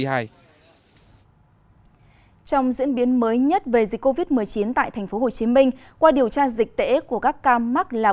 trong diễn biến mới nhất về dịch covid một mươi chín tại tp hcm qua điều tra dịch tễ của các ca mắc là